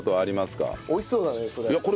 美味しそうだねそれ。